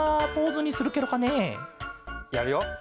やるよ。